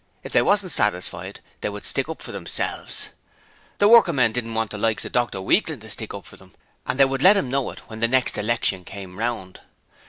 If they wasn't satisfied, they would stick up for theirselves! The working men didn't want the likes of Dr Weakling to stick up for them, and they would let 'im know it when the next election came round.